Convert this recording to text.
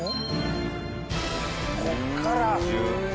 こっから。